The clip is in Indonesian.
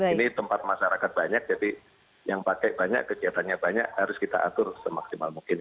ini tempat masyarakat banyak jadi yang pakai banyak kegiatannya banyak harus kita atur semaksimal mungkin